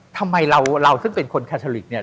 ทำไมเราซึ่งเป็นคนแคทอลิกเนี่ย